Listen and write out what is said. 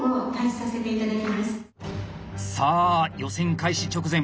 さあ予選開始直前。